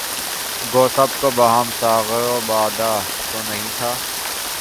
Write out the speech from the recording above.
گو سب کو بہم ساغر و بادہ تو نہیں تھا